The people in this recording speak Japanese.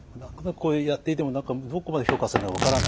こうやっていても何かどこまで評価されるのか分からない。